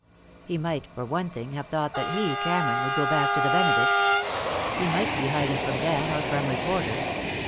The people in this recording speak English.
He might, for one thing, have thought that he, Cameron, would go back to the Benedict. He might be hiding from Dan, or from reporters.